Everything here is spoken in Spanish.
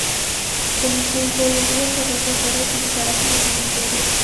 Con el tiempo, la antigua parroquia fue reutilizada como cementerio.